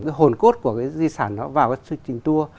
cái hồn cốt của cái di sản đó vào cái chương trình tour